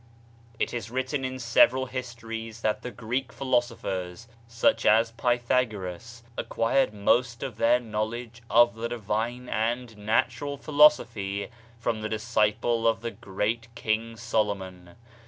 It is written in several histories that the Greek philosophers, such as Pythagoras, acquired most of their knowledge of the divine and natural philosophy from the disciple of the great King Solomon.